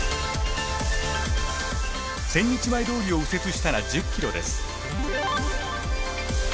千日前通を右折したら１０ｋｍです。